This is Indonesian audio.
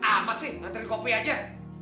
ah amat sih ngantri kopi aja